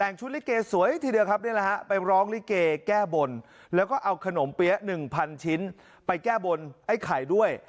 แต่งชุดลิเกสวยทีเดียวครับนี่แหละฮะไปร้องลิเกแก้บนแล้วก็เอาขนมเปี๊ยะ๑๐๐ชิ้นไปแก้บนไอ้ไข่ด้วย